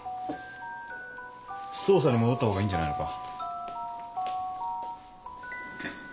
捜査に戻ったほうがいいんじゃないのか？